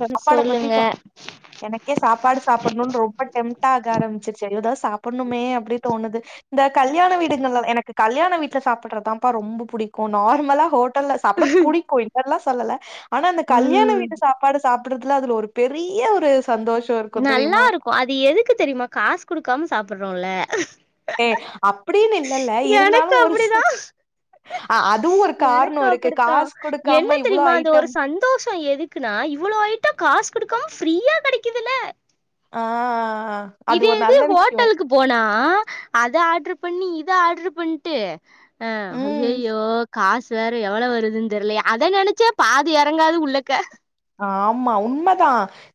சாப்பாட பத்தி சொல்லுங்க சொன் எனக்கே சாப்பாடு சாப்டணும்னு ரொம்ப டெம்ட் ஆக ஆரம்பிச்சிருச்சு ஏதாவது சாப்பிடணுமே அப்டி தோணுது இந்த கல்யாண வீடுகள் எனக்கு கல்யாண வீட்டுல சாப்பிடுறதுதான்ப்பா ரொம்ப பிடிக்கு நார்மலா ஹோ ட்டல் சாப்ட புடிக்கு இல்லன்லா சொல்லல ஆனா அந்த கல்யாண ம் சாப்பாடு சாப்பிடுறதுல அதுல ஒரு பெரிய ஒரு சந்தோஷ நல்லா இருக்கு அது எதுக்கு தெரியுமா காசு குடுக்காம சாப்படுறோல ஏ அப்டின்னு இல்லல்ல இருந்தாலு ஒரு அப்டிதா அ அதுவு ஒரு காரணோ எனக்கு இருக்கு அப்டித்தான் காசு என்ன குடுக்காம இவ்ளோ தெரியுமா அந்த ஒரு ஐட்டம் சந்தோஷோ எதுக் குன இவ்ளோ ஆயிட்டம் காசு குடுக்காம ஃப்ரீயா கெடைக்குதுல ஆஆஆ இதே இது ஹோட்டலுக்கு போனா அத ஆர்டரு பண்ணி இத ஆர்டரு பண்ட்டு ஆ ம் ஐய்யோ காசு வேற எ வ்வளோ வருதுன்னு தெரியலையே அத நினைச்சே பாது இறங்காது உள்ளக்க ஆமா உண்மதா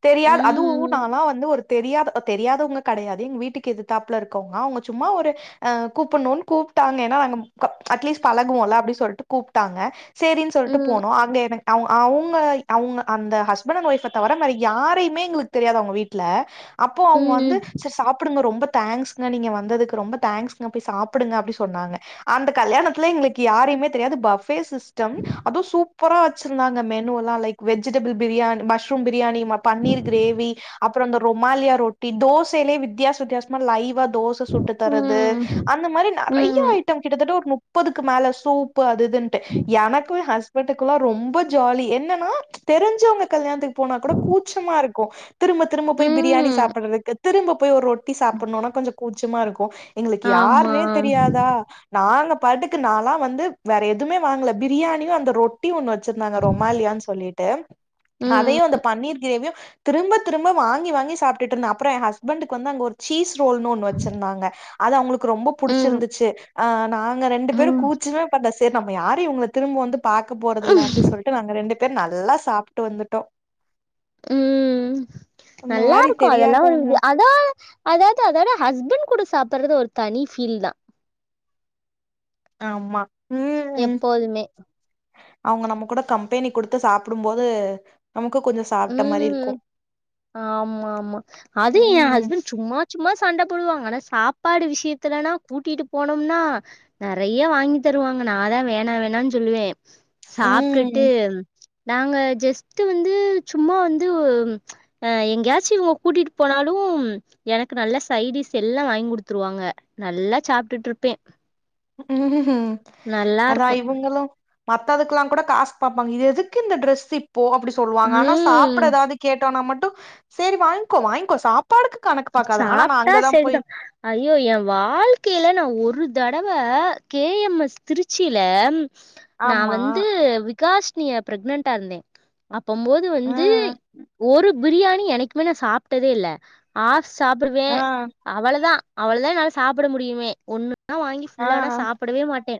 தெரியாது அதுவு ம் நாலா வந்து ஒரு தெரியாத தெரியாதவங்க கிடையாது எங்க வீட்டுக்கு எதுதாப்புல இருக்கவங்க அவங்க சும்மா ஒரு அ கூப்டணும்னு கூப்ட்டாங்க ஏன்னா க அட்லீஸ்ட் பழகுவோல அப்படினு சொல்லிட்டு கூப்பிட்டாங்க செரின்னு சொல்லிட்டு ம் போனோ அங்க எனக் அவ் அவங்க அவங்க அந்த ஹஸ்பண்ட் அண்ட் ஒய்ஃப் தவிர வேற யாரையுமே எங்களுக்கு தெரியாது அவங்க வீட்ல அப்போ அவங்க வந்து ம் சார் சாப்டுங்க ரொம்ப தேங்க்ஸ் ங்க நீங்க வந்ததுக்கு ரொம்ப தேங்க்ஸ்ங்க போய் சாப்பிடுங்க அப்டி சொன்னாங்க அந்த கல்யாணத்துல எங்களுக்கு யாரையுமே தெரியாது பஃப் பே சிஸ்டம் அதுவு சூப்பரா வச்சிருந்தாங்க மெனுலா லைக் வெ ஜிடபிள் பிரியா மஷ்ரூம் பிரியாணி பன்னீர் கிரேவி அப்றோ இந்த ரொமாலியா ரொட்டி தோசையிலே வித்தியாச வித்தியாசமா லைவா தோ ச சுட்டு தரது ம் அந்த மாரி ம் நெறைய ம் ஐட்டம் கிட்டத்தட்ட ஒரு முப்பதுக்கு மேல சூப்பு அது இது டு எனக்கும் ஹஸ்பண்டக்குல்லாம் ரொம்ப ஜாலி என்னன்னா தெரிஞ்சுவங்க கல்யாணத்துக்கு போனா கூட கூச்சமா இருக்கு திரும்ப திரும்ப போய் பிரியாணி ம் சாப்பிடுறதுக்கு திரும்ப போய் ஒரு ரொட்டி சாப்பிடணும்னா கொஞ்ச குச்சமா இருக்கு எங்களுக்கு ஆமா யாருனே தெரியாதா நாங்க பாட்டுக்கு நாலா வந்து வேற எதுவுமே வாங்கல பிரியாணியு அந்த ரொட் டி ஒண்ணு வச்சிருந்தாங்க ரொமாலியான்னு சொல்லிட்டு ம் அதையும் அந்த பன்னீர் கிரேவியு திரும்ப திரும்ப வாங்கி வாங்கி சாப்ட்டுடு இருந்த அப்றோ என் ஹஸ்பண்டக்கு வந்து அங்க ஒரு சீஸ் ரோல்னு ஒண்ணு வச்சிருந்தாங்க அது அவங்களுக்கு ரொம்ப ம் புடிச்சிருந்துச்சு அ நா ங்க ரெண்டு பேரு ம் கூச்சமே படல செரி நம்ம யாரயு இவங்கள திரும்ப வந்து பார்க்க போறதில அப்டி சொல்லிட்டு நாங்க ரெண்டு பேர் நல்லா சாப்ட்டு வந்துட்டோ ம் இந்த மாரி நல்லாருக்கு அதெல்லா ஒரு தெரியாதவங்க [unintelligible] அதா அதாவது அதாட ஹஸ்பண்ட் கூட சாப்டறது ஒரு தனி ஃபீல் தா ஆமா ம் எப்போதுமே அவங்க நம்ம கூட கம்பெனி கொடுத்து சாப்டும் போது நமக்கு கொஞ்ச ம் ஆமாமா அது என் ம் ஹஸ்பண்ட் சும்மா சும்மா சண்ட போடுவாங்க ஆனா சாப்பாடு விஷயத்துலனா கூட்டிட்டு போனோம்னா நெறைய வாங்கி தருவாங்க நாதா வேணா வேணான்னு சொல்லுவே சாப்ட்டுட்டு ம் நாங்க ஜஸ்ட் வந்து சும்மா வந்து அ எங்கயாச்சு இவங்க கூட்டிட்டு போனாலும் எனக்கு நல்ல சைடிஸ் எல்லா வாங்கி குடுத்துருவாங்க நல்லா சாப்ட்டுட்ருப்பே ம் அதா நல்லாருக்கு இவங்களு மத்ததுக்கல்லா கூட காசு பாப்பாங்க இது எதுக்கு இந்த ட்ரெஸ் இப்போ அப்டி சொல்லுவாங்க ஆனா சாப்பட ம் ஏதாவது கேட்டோன்னா மட்டு சரி வாங்கிக்கோ வாங்கிக்கோ சாப்பாடுக்கு கணக்கு பாக்காத ஆனா நா சாப்ட்டா அங்கதா சரிதா போய் ஐயோ ஏ வாழ்க்கையில நா ஒரு தடவ கே எம் எஸ் திருச்சியில நா ஆமா வந்து விகாஸ்னிய பிரெக்னன்டா இருந்தே அப்பம் போது ஆ வந்து ஒரு பிரியாணி எனக்குமே நா சாப்ட்டதே இல்ல ஆ சாப்புடுவே ஆ அவ்ளவுதா அவ்ளவுதா என்னால சாப்பட முடியுமே ஒண்ணு ஆனா வாங்கி ஆ ஃபுல்லாலா சாப்படவே மாட்டே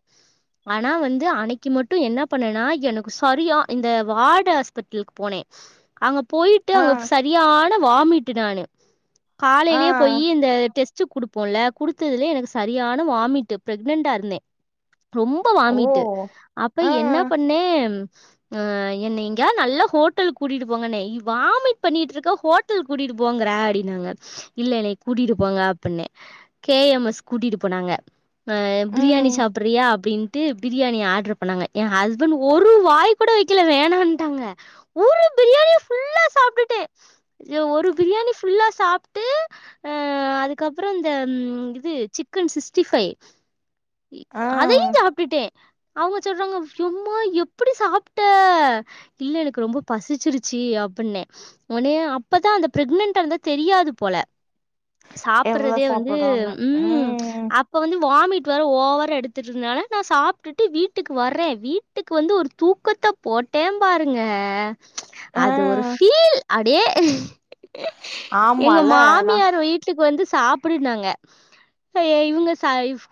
ஆனா வந்து அன்னைக்கு மட்டு என்னா பண்ணனா எனக்கு சரியா இந்த வார்டு ஹாஸ்பிட்டலுக்கு போனே அங்க போயிட்டு ஆ அங்க சரியான வாமிட்டு நானு ஆ காலையிலயே போய்யி இந்த டெஸ் டு குடுப்போம்ல குடுத்ததுலே எனக்கு சரியான வாமிட்டு பிஃரெக்னன்டா இருந்தே ரொம் ப ஓ வாமிட்டு அப்ப ஆ என்னா பண்ணே ஆ என்னய எங்கயாது நல்ல ஹோட்டல் கூட்டிட்டு போங்கன்னே வாமி பண்ணிட்ருக்க ஹோட்டல் கூட்டிட்டு போங் கற ஆப்டினாங்க இல்ல என்ன கூட்டிட்டு போங்க அப்பின்னே கே எம் எஸ் கூட்டிட்டு போனாங்க ஆ பிரியாணி ம் சாப்பிறியா அப்டின் ட்டு பிரியாணி ஆர்டரு பண்ணாங்க ஏ ஹஸ்பண்ட் ஒரு வாய் கூட வைக்கல வேணாட்டாங்க ஒரு பிரியாணி ஃபுல்லா சாப்ட்டுட்டே ஒரு பிரியாணி ஃபுல்லா சாப்ட்டு ஆ அதுக்கப்பற இந்த இது சிக்கன் சிக்ஸ்டி ஃபைவ் ஆ அதையு சாப்ட்டுட்டே அவங்க சொல்றாங்க உம்மா எப்படி சாப்ட்ட இல்ல எனக்கு ரொம்ப பசிச்சிருச்சு அப்படின்ன உனே அப்பதா அந்த பிரெக்னன்ட் பறது தெரியாது போல எவ்ளோ சாப்பறதே வந்து சாப்புட்றோன்னு உம் ம் அப் இப்ப வந்து வாமிட் வர ஓவர் எடுத்துட்டு இருந்தனால நா சாப்ட்டுட்டு வீட்டுக்கு வர்றே வீ வீட்டுக்கு வந்து ஒரு தூக்கத்த போட்டே பாருங்க ஆ அது ஒரு ஃபீல் அப்டியே எங்க ஆமால நா மாமியார வீட்டுக்கு வந்து சாப்புடுனாங்க இப்ப ஏய் இவங்க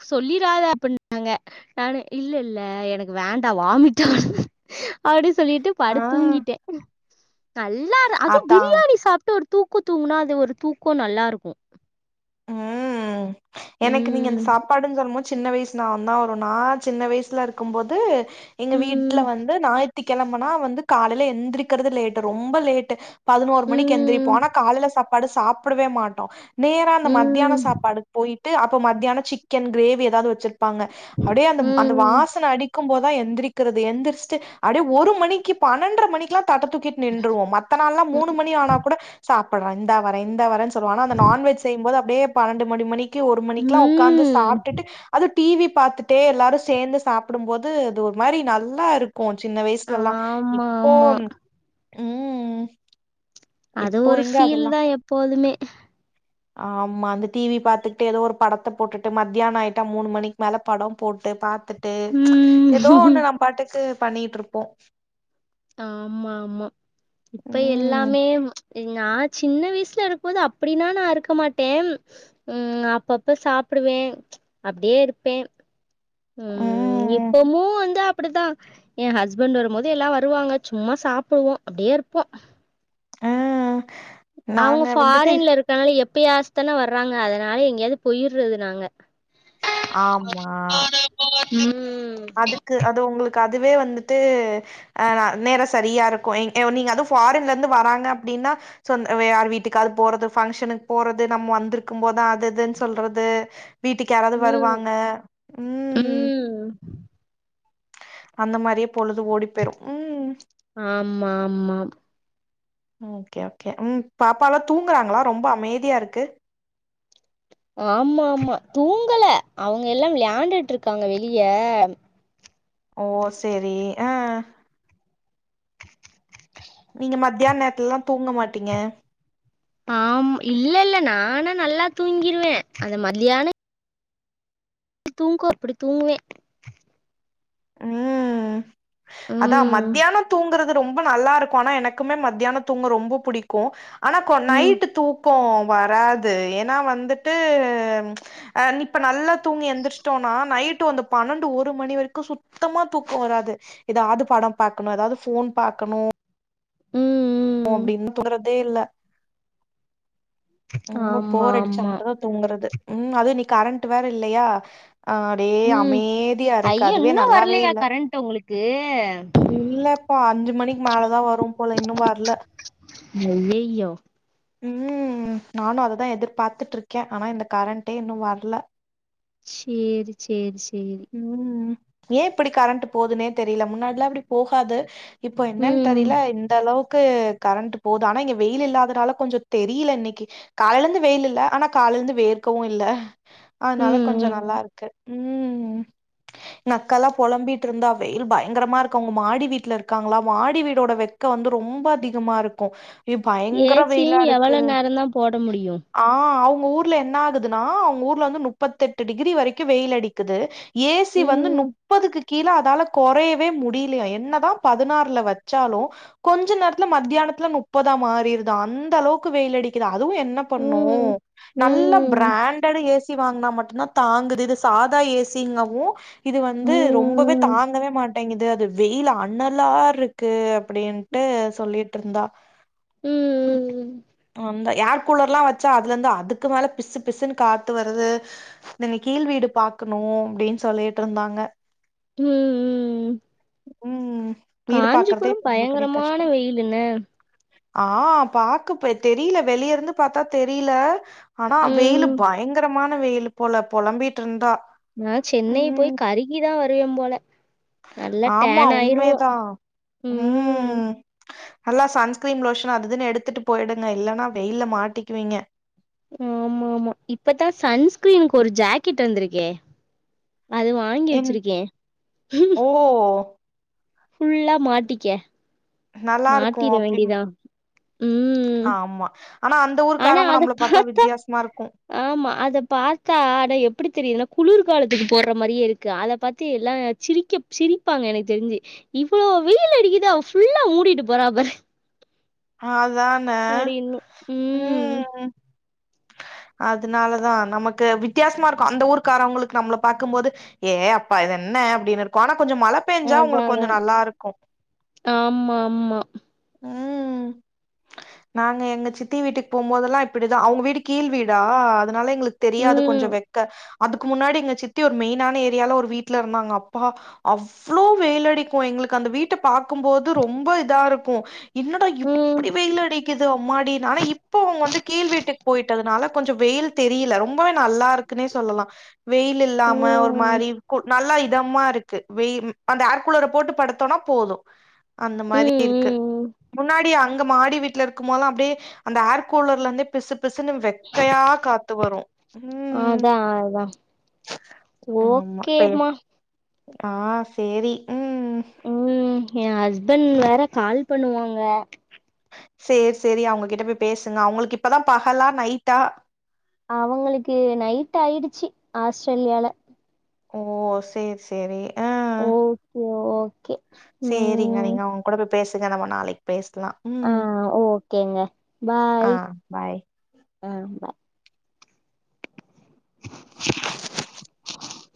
சொல்லிராத அப்பனாங்க நானு இல்ல இல்ல எனக்கு வேண்டா வாமிட் வருது அப்டி சொல்லிட்டு ஆ படுத் தூங்கிட்டே நல்லா அதுவு அதா பிரியாணி சாப்ட்டு ஒரு தூக்க தூங்கனா அது ஒரு தூக்கோ நல்லா இருக்கு ம் எனக்கு நீங்க அந்த ம். சாப்பாடுன்னு சொல்லும் போது சின்ன வயசு ஞாபகதா வரு நா சின்ன வயசுல இருக்கும் போது எங்க வீட்ல ம். வந்து ஞாயித்திகெழமனா வந்து காலையில எந்திரிக்கிறது லேட்டு ரொம்ப லேட்டு பதினோரு மணிக்கு எழுந்திரிப்போ ம். ஆனா காலையில சாப்பாடு சாப்படவே மாட்டோ நேரா அந்த மத்தியான ம். சாப்பாடு போயிட்டு அப்ப மத்தியான சிக்கன் கிரேவி ஏதாவது வச்சிருப்பாங்க அப்டியே அந்த அந்த ம். வாசனை அடி க்கும்போதா எந்திரிக்கிறது எந்திரிச்சிட்டு அடிய ஒரு மணிக்கு பன்னெண்டர மணிக்குல்லா தட்ட தூக்கிட்டு நின்றுவோ மத் மத்த நாள்லா மூணு மணி ஆனா கூட சாப்ப்ட்ற இந்தா வரே இந்தா வரேன்னு சொல்லுவா ஆனா அந்த நான்வெஜ் போது அப்படியே பன்னெண்டு மணி மணிக்கு ஒரு மணிக்கெல்லா உக்காந்து ம். சாப்ட்டுட்டு அது டிவி பாத்துட்டே எல்லாரு சேந்து சாப்புடும் போது இது ஒரு மாரி நல்லா இருக் இ சின்ன வயசுலல்லா ஆமா, இப்போ ஆமா. ம் அது இப்போ ஒரு எங்க ஃபீல் அதெல்லா தா எப்போதுமே ஆமா அந்த டி வி பாத்துக்கிட்டே ஏதோ ஒரு படத்த போட்டுட்டு மத்தியான ஆயிட்டா மூணு மணிக்கு மேல படம் போட்டு பாத்துட் டு ம். ஏதோ ஒண்ணு நம் பாட்டுக்கு பண்ணிட்ருப்போ ஆமா ஆமா இப்ப ம் எல்லாமே நா சின்ன வயசுலருக்கும் போது அப்படின்னா நா இருக்க மாட்டே ம் அப்பப்ப சாப்பிடுவே அப்டியே இருப்பே ம் இப்பமும் வந்து அப்படிதா எ ஹஸ்பண்ட் வரும்போது எல்லா வருவாங்க சும்மா சாப்பிடுவோ அப்டியே இருப்போ அ அவுங்க ஃபாரின்ல இருக்கனால எப்பயாச்சு தானே வர்றாங்க அதனால எங்கேயாவது பொயிட்றது நாங்க ஆமா ம் அதுக்கு அது உங்களுக்கு அதுவே வந்துட்டு ஆ நேரோ சரியாருக்கு நீங்க அதுவு ஃபாரின்லருந்து வராங்க அப்படின்னா சோ வே யார் வீட்டுக்காது போறது ஃபங்க்ஷனுக்கு போறது நம்மோ வந்திருக்கும் போதா அது இதுன்னு சொல்றது வீட்டுக்கு யாராவது ம் வருவாங்க ம் ம் அந்த மாதிரியே பொழுது ஓடி பேயரு உம் ஆமா ஆமா ஓகே ஓகே ம் பாப்பாலா தூங்குறாங்களா ரொம்ப அமைதியாருக்கு ஆமா ஆமா தூங்கல அவுங்க எல்லா விளையாண்ட்டுட்டு இருக்காங்க வெளிய ஓ சேரி ஆ நீங்க மத்தியான நேரத்துலல்லா தூங்க மாட்டீங்க ஆம் இல்லல்ல நானு நல்லா தூங்கிருவே அந்த மதியானோ தூங்கு அப்பிடி தூங்குவே ம் அதா ம் மத்தியானோ தூங்குறது ரொம்ப நல்லாருக்கு ஆனா எனக்குமே மத்தியானோ தூங்க ரொம்ப புடிக்கு ஆனா கொ ம் நைட்டு தூக்கோ வராது ஏன்னா வந்துட்டு ஆ இப்ப நல்ல தூங்கி எந்திருச்சுட்டோன்னா நைட்டு அந்து பன்னெண்டு ஒரு மணி வரைக்கு சுத் சுத்தமா தூக்கோ வராது ஏதாவது படம் பாக்கணு ஏதாவது ஃபோன் பாகக்கணு ம் கோ ம் அப்டின்னு தோணுறதே இல்ல ரொம்ப ஆமா போர் அடிச்சா ஆமா மட்டுதா தூங்குறது ம் அது இன்னைக்கி கரண்ட் வேற இல்லையா ஆ அப்டியே ம் அமைதியாருக்கு அதுவே நல்லாவேல்ல எ உங்களுக்கு இல்லப்பா அஞ்சு மணிக் மேலதா வரும் போல இன்னு வரல அய்யய்யோ ம் நானு அதா எதிர்பார்த்துட்டு இருக்கே ஆனா இந்த கரண்டே இன்னு வரல சேரி சேரி சேரி ம் ஏ இப்படி கரண்ட் போதுனே தெரியல முன்னாடில்லா இப்படி போகாது இப்போ என்னன்னு ம் தெரியல இந்தளவுக்கு கரண்ட் போது ஆனா இங்க வெயில் இல்லாதனால கொஞ்சோ தெரியல இன்னைக்கி காலையிலருந்து வெயில் இல்ல ஆனா காலிலருந்து வேர்க்கவு இல்ல அதனால ம் கொஞ்சோ ம் நல்லாருக்கு ம் நக்கல்லா புழம்பிட்டுருந்தா வெயில் பயங்கரமாருக்கு அவுங்க மாடி வீட்ல இருக்காங்களா மாடி வீடோட வெக் க வந்து ரொம்ப அதிகமாருக்கு ஏ பயங்கர ஏசியு வெயிலாருக்கு எவ்வளோ நேரந்தா போட முடியு ஆ அவுங்க ஊர்ல என்னாகுதுன்னா அவுங் ஊர்ல வந்து முப்பத்தெட்டு டிகிரி வரைக்கு வெயிலடிக்குது ஏ சி வந்து ம் முப்பதுக்கு கீழ அதால கொறையவே முடியலையா என்னதா பதினாறுல வச்சாலு கொஞ்ச நேரத்துல மத்தியானத்துல முப்பதா மாறிருதா அந்த அளவுக்கு வெயில் அடிக்குதா அதுவும் என்ன பண்ணு ம் நல்ல ம் பிராண்டட் ஏ சி வாங்கினா மட்டுந்தா தாங்குது இது சாதா ஏ சி சிங்காவு இது ம் வந்து ரொம்பவே ம் தாங்கவே மாட்டேங்குது அது வெயில் அணலா இருக்கு அப்டின்ட்டு சொல்லிட்ருந்தா ம் அந்த ஏர்க் கூலர்லா வச்சா அதுல இருந்து அதுக்கு மேல பிசு பிசுன்னு காத்து வருது நீ கீழ் வீடு பாக்க ணு அப்டின்னு சொல்லிட்ருந்தாங்க ம் ம் ம் ம் ம் ம் வீடு பாக்குறதே ரொம்ப பெரிய பயங்கரமான கஷ்டோ வெயிலுங்க ஆ பாக்கு தெரில வெளிய இருந்து பாத்தா தெரியில ஆனா ம் வெயிலு பயங்கரமான வெயிலு போல பொழம்பிட்ருந்தா நா சென்னை போயி கருகிதா வருவே போல நல்லா ஆமா டேன் ஆயிருவோம். உண்மேதா ம் நல்லா சன்ஸ்கிரீன் லோஷன் அது இதுன்னு எடுத்துட்டு போயிடுங்க இல்லன்னா வெயில மாட்டிக்குவீங்க ஆமாமா இப்பதா சன்ஸ்கிரீனுக்கு ஒரு ஜாக்கெட் வந்துருக்கே அது வாங்கி என் வச்சுருக்கே ஓ ஃபுல்லா மாட்டிக்க நல்லாருக்கு மாட்டிற அப்டி வேண்டியதான். ம். ஆமா ஆனா அந்த ஆனா ஊருக்காரங்க அத நம்மள பாத்தா பார்த்தா வித்தியாசமாருக்கு ஆமா அத பாத்தா அடா எப்டி தெரியுதுனா குளிர்காலத்துக்கு போட்ற மாதிரியே இருக்கு அத பாத்து எல்லா சிரிக்க சிரிப்பாங்க எனக்கு தெரிஞ்சு இவ்வளோ வெயில் அடிக்குது அவ ஃபுல்லா மூடிட்டு போரா பாரு அதானே ம் அதுனாலதா நமக்கு வித்தியாசமா இருக்கு அந்த ஊருக்காரங்களுக்கு நம்மள பாக்கும் போது ஏ அப்பா இது என்ன அப்டின்னு இருக்கு ஆனா கொஞ்ச மழ பெஞ்சா உங்களுக்கு கொஞ்ச நல்லா இருக்கு ஆமா ஆமா ம் நாங்க எங்க சித்தி வீட்டுக்கு போகும்போதெல்லா இப்டிதா அவங்க வீடு கீழ் வீடா அதனால எங்ளுக்கு தெரியாது ம். கொஞ்சோ வெக்க அதுக்கு முன்னாடி எங்க சித்தி ஒரு மெயினான ஏரியால ஒரு வீட்ல இருந்தாங்க அப்பா அவ்ளோ வெயிலடிக்கு எங்களுக்கு அந்த வீட்ட பாக்கும்போது ரொம்ப இதா இருக்கு என்னடா இப் ம் இப்புடி வெயிலடிக்குது அம்மாடி ஆனா இப்போ அவுங்க வந்து கீழ்வீட்டுக்கு போயிட்டதுனால கொஞ்சோ வெயில் தெரியில ரொம்ப நல்லாருக்குன்னே சொல்லலா வெயில் ம் இல்லாம ஒரு ம் மாரி கு நல்லா இதமா இருக்கு வெ வெயில் அந்த ஏர்கூலர போட்டு படுத்தோனா போது அந்த மாரி இருக்கு ம் ம் முன்னாடி அங்க மாடி வீட்ல இருக்கும் போதுலா அப்டியே அந்த ஏர் கூலர்ல இருந்தே பிசு பிசுன்னு வெக்கையா காத்து வரு ம் ஆமா ஓகே பே மா ஆ சேரி ம் ம் ஏ ஹஸ்பண்ட் வேற கால் பண்ணுவாங்க சேரி சேரி அவங்ககிட்ட போயி பேசுங்க அவங்களுக்கு இப்பதா பகலா நைட்டா அவுங்களுக்கு நைட் ஆயிடுச்சு ஆஸ்ட்ரேலியால ஓ செரி செரி ஆ ஓகே ஓகே செரிங்க ம் நீங்க அவங் கூட போயி பேசுங்க நம்ம நாளைக்கு பேசலா ஆ ம் ஓகேங்க ஆ பாய் பாய் அ [inaudible]